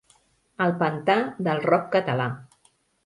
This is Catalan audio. El pantà del rock català.